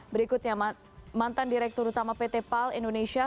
berikutnya mantan direktur utama pt pal indonesia